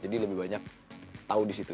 lebih banyak tahu di situ